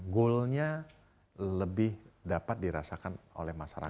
goalnya lebih dapat dirasakan oleh masyarakat